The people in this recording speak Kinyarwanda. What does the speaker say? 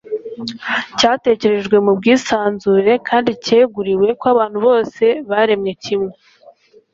cyatekerejwe mu bwisanzure kandi cyeguriwe ko abantu bose baremwe kimwe